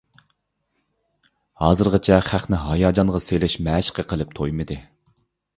ھازىرغىچە خەقنى ھاياجانغا سېلىش مەشقى قىلىپ تويمىدى.